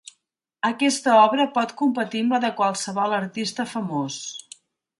Aquesta obra pot competir amb la de qualsevol artista famós.